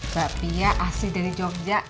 kak pia asli dari jogja